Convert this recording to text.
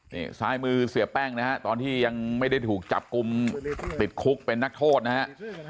นี่ซ้ายมือเสียแป้งนะฮะตอนที่ยังไม่ได้ถูกจับกลุ่มติดคุกเป็นนักโทษนะฮะ